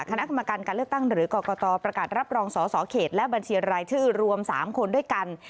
คณะกรรมการการเลือกตั้งหรือกรกตประกาศรับรองสอสอเขตและบัญชีรายชื่อรวม๓คนด้วยกัน